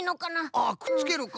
あっくっつけるか。